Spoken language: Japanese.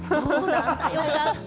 良かった。